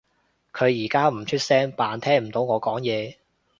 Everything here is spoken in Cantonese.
佢而家唔出聲扮聽唔到我講嘢